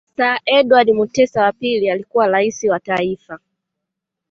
Sir Edward Mutesa wa pili alikuwa Rais wa Taifa